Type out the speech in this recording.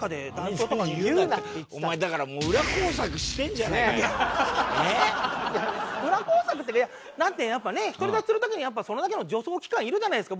お前だから裏工作っていうかやっぱね独り立ちする時にそれだけの助走期間いるじゃないですか。